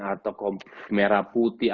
atau merah putih